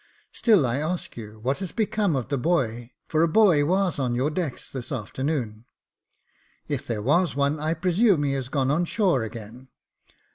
" Still I ask you, what has become of the boy ? for a boy was on your decks this afternoon." " If there was one, I presume he has gone on shore again."